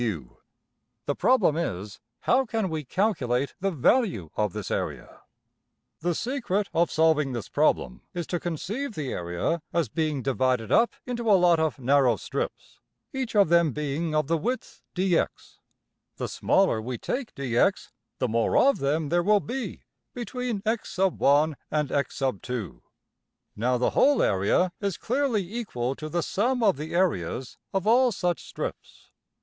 The problem is, \emph{how can we calculate the value of this area}? %The secret of solving this problem is to conceive the area as being divided up into a lot of narrow strips, each of them being of the width~$dx$. The smaller we take~$dx$, the more of them there will be between $x_1$ and~$x_2$. Now, the whole area is clearly equal to the sum of the areas of all such strips.